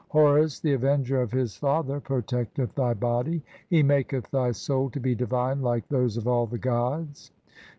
Horus the avenger of his father protecteth "thy body, he maketh thy soul to be divine like those "of all the gods.